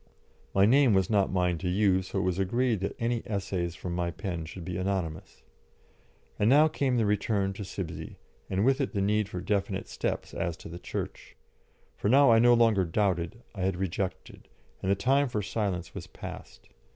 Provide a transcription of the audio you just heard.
My name was not mine to use, so it was agreed that any essays from my pen should be anonymous. And now came the return to Sibsey, and with it the need for definite steps as to the Church. For now I no longer doubted, I had rejected, and the time for silence was past.